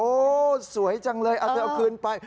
โอ้สวยจังเลยเอาคืนไป